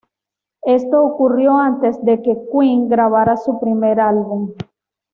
Esto ocurrió antes de que Queen grabara su primer álbum.